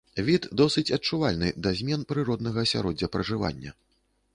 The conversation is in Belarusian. Від досыць адчувальны да змен прыроднага асяроддзя пражывання.